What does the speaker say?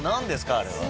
あれは。